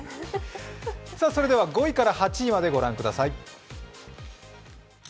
それでは５位から８位までご覧ください。